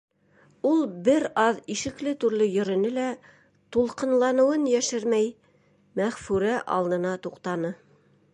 Ул бер аҙ ишекле-түрле йөрөнө лә, тулҡынланыуын йәшермәй, Мәғфүрә алдына туҡтаны.